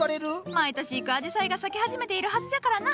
毎年行くあじさいが咲き始めているはずじゃからな。